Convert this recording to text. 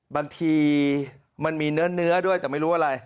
บางทีมันมีเนื้อด้วยแต่ไม่รู้อะไร